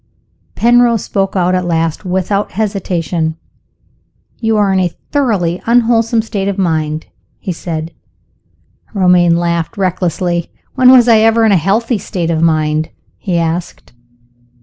Penrose spoke out at last without hesitation. "You are in a thoroughly unwholesome state of mind," he said. Romayne laughed recklessly. "When was I ever in a healthy state of mind?" he asked.